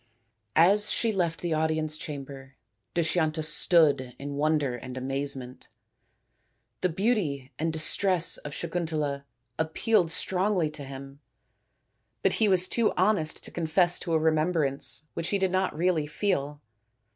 As she left the audience chamber Dushyanta stood in wonder and amazement. The beauty and distress of Sakuntala appealed strongly to him, but he was too honest to confess to a remembrance which he did not really feel.